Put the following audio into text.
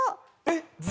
えっ！